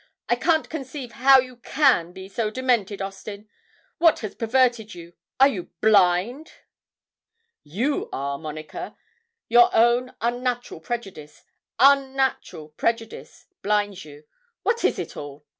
'I can't conceive how you can be so demented, Austin. What has perverted you? are you blind?' 'You are, Monica; your own unnatural prejudice unnatural prejudice, blinds you. What is it all?